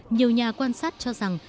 nhiều nhà quan sát cho rằng